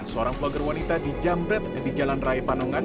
seorang vlogger wanita di jamret di jalan raya panongan